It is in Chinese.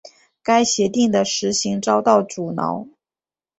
该协定的实行遭到阻挠。